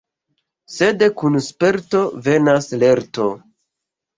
Sed kun sperto venas lerto.